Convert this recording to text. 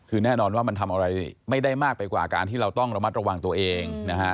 คือแน่นอนว่ามันทำอะไรไม่ได้มากไปกว่าการที่เราต้องระมัดระวังตัวเองนะฮะ